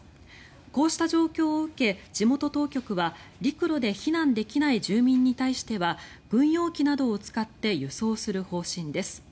こうした状況を受け地元当局は陸路で避難できない住民に対しては軍用機などを使って輸送する方針です。